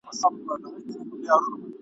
تر څو به له پردیو ګیله مني لرو ژبي ..